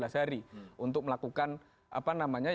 hari untuk melakukan